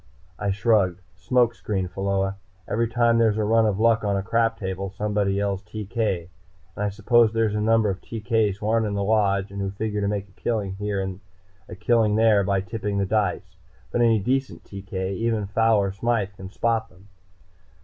I shrugged. "Smoke screen, Pheola. Every time there's a run of luck on a crap table, somebody yells 'TK!' And I suppose there's a number of TK's who aren't in the Lodge, and who figure to make a killing here and a killing there by tipping the dice. But any decent TK, even a Fowler Smythe, can spot them.